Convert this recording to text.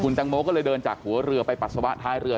ตังโมก็เลยเดินจากหัวเรือไปปัสสาวะท้ายเรือ